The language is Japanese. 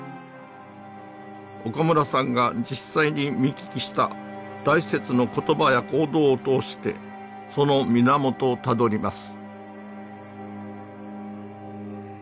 岡村さんが実際に見聞きした大拙の言葉や行動を通してその源をたどります